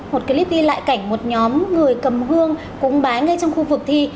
một clip đi lại cảnh một nhóm người cầm hương cúng bái ngay trong khu vực thi